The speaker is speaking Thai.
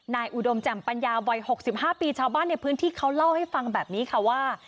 อุดมแจ่มปัญญาวัย๖๕ปีชาวบ้านในพื้นที่เขาเล่าให้ฟังแบบนี้ค่ะว่า